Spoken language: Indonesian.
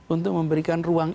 untuk memberikan ruang